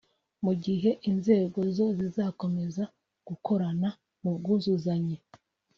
mu gihe inzego zo zizakomeza gukorana mu bwuzuzanye